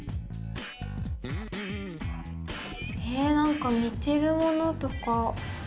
えなんか似てるものとか？